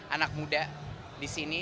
anak muda di sini